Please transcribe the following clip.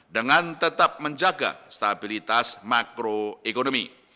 dengan tetap menjaga stabilitas makroekonomi